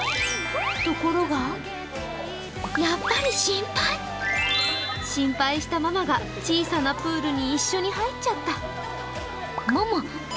ところが心配したママが小さなプールに一緒に入っちゃった。